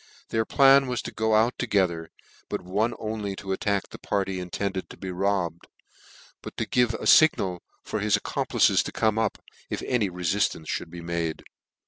Their plan was to go out together, but one only to attack the party intended to be robbed ; but to give a fignal for his accomplices to come up, if any refiftance mould be made.